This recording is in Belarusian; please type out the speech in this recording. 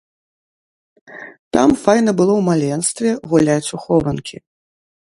Там файна было ў маленстве гуляць у хованкі.